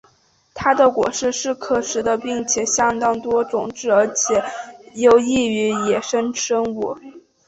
它的果实是可食的并且相当多种子而且有益于野生生物。